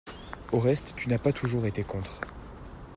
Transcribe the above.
Au reste, tu n'as pas toujours été contre!